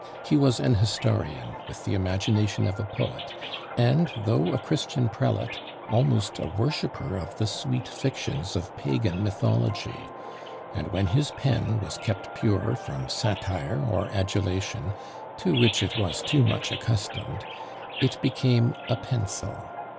He was an historian, with the imagination of a poet, and though a Christian prelate, almost a worshipper of the sweet fictions of pagan mythology; and when his pen was kept pure from satire or adulation, to which it was too much accustomed, it became a pencil.